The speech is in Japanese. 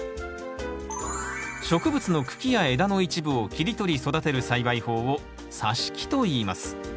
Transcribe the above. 植物の茎や枝の一部を切り取り育てる栽培法をさし木といいます。